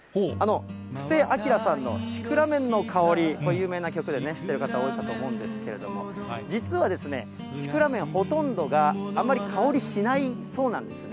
布施明さんのシクラメンのかほり、これ、有名な曲で知ってる方も多いかとは思うんですけれども、実はですね、シクラメン、ほとんどがあんまり香りがしないそうなんですね。